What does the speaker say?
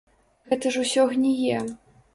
Гэта ж усё гніе.